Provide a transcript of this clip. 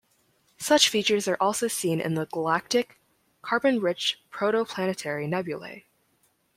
Such features are also seen in Galactic carbon-rich protoplanetary nebulae.